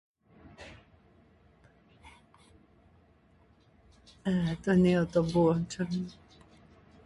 Tysacy ludźi chcedźa ze swojim ćěłom wuhlowu infrastrukturu blokować.